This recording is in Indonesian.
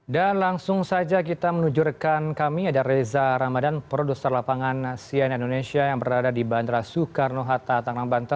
dan langsung saja kita menunjukkan kami ada reza ramadan produser lapangan sian indonesia yang berada di bandara soekarno hatta tengah banten